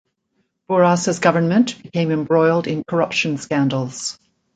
Bourassa's government became embroiled in corruption scandals.